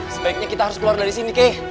sebaiknya kita harus keluar dari sini kek